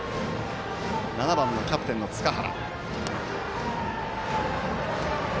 ７番のキャプテンの塚原。